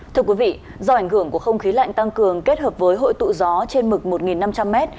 thưa quý vị do ảnh hưởng của không khí lạnh tăng cường kết hợp với hội tụ gió trên mực một năm trăm linh m